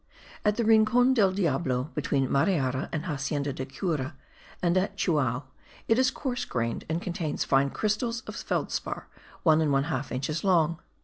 At the Rincon del Diablo, between Mariara and Hacienda de Cura, and at Chuao, it is coarse grained, and contains fine crystals of felspar, 1 1/2 inches long.